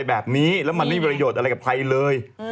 แบบนี้แล้วมันไม่มีประโยชน์อะไรกับใครเลย